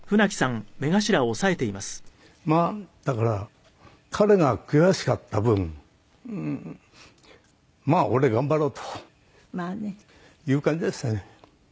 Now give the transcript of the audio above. まあだから彼が悔しかった分まあ俺頑張ろうという感じでしたね。